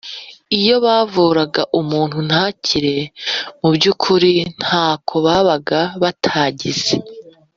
iyo bavuraga umuntu ntakire Mu by ukuri ntako babaga batagize